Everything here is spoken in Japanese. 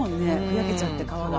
ふやけちゃって皮が。